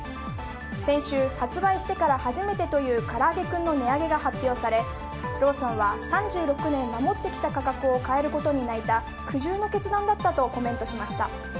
先週発売してから初めてというからあげクンの値上げが発表されローソンは３６年守ってきた価格を変えることに泣いた苦渋の決断だったとコメントしました。